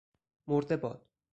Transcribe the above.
مرده باد...!